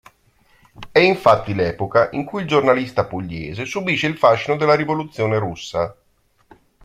È infatti l'epoca in cui il giornalista pugliese subisce il fascino della rivoluzione russa.